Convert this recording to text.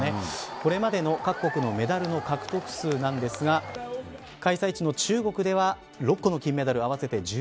これまでの各国のメダルの獲得数なんですが開催地の中国では６個の金メダル合わせて１６。